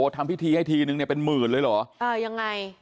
ทำพิธีให้ทีนึงเนี่ยเป็นหมื่นเลยเหรอเออยังไง